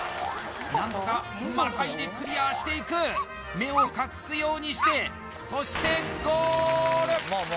何とかまたいでクリアしていく目を隠すようにしてそしてゴール！